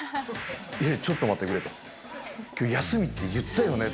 え、ちょっと待ってくれ、きょう休みって言ったよね。